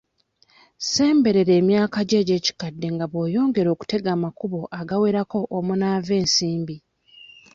Ssemberera emyaka gyo egy'ekikadde nga bw'oyongera okutega amakubo agawerako omunaava ensimbi.